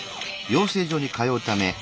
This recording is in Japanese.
養成所に通うために。